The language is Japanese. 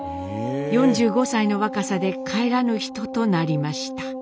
４５歳の若さで帰らぬ人となりました。